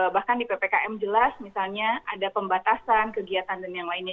bahkan di ppkm jelas misalnya ada pembatasan kegiatan dan yang lainnya